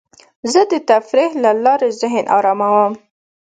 زه د تفریح له لارې ذهن اراموم.